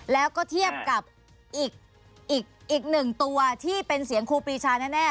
แล้วก็เทียบกับอีกหนึ่งตัวที่เป็นเสียงครูปรีชาแน่